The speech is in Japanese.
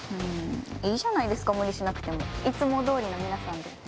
いいじゃないですか無理しなくていつも通りの皆さんで。